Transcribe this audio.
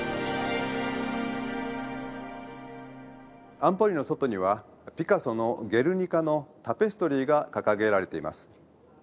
安保理の外にはピカソの「ゲルニカ」のタペストリーが掲げられています。